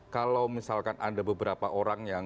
kalau misalkan ada beberapa orang yang